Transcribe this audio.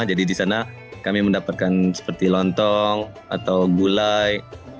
jadi di sana kami mendapatkan seperti lontong atau gulai